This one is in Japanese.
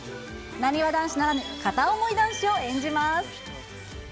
なにわ男子ならぬ片思い男子を演じます。